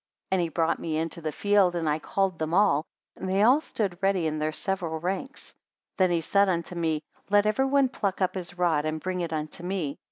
34 And he brought me into the field, and I called them all, and they all stood ready in their several ranks. Then he said unto them; let every one pluck up his rod, and bring it unto me.